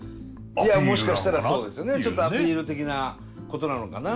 いやもしかしたらそうですねちょっとアピール的なことなのかな。